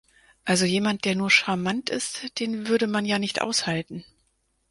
Also jemand, der nur charmant ist, den würde man ja nicht aushalten.